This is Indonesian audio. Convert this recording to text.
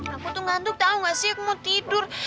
aku tuh ngantuk tahu gak sih aku mau tidur